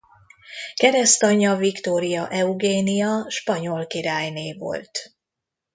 Keresztanyja Viktória Eugénia spanyol királyné volt.